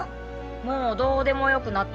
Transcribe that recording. もうどーでもよくなった。